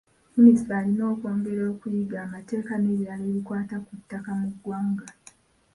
Minisita alina okwongera okuyiga amateeka n’ebirala ebikwata ku ttaka mu ggwanga.